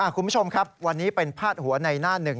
คุณผู้ชมครับวันนี้เป็นพาดหัวในหน้าหนึ่ง